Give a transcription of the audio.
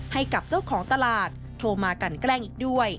ให้กับเจ้าของตลาดโทรมากันแกล้งอีกด้วย